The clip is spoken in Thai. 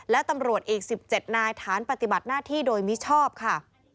และตำรวจอีก๑๗นายฐานปฏิบัติหน้าที่โดยมิชอบค่ะ